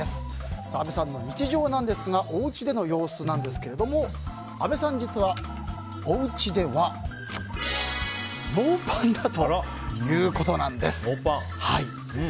阿部さんの日常ですがおうちでの様子なんですけど阿部さん、実はおうちではノーパンだということです。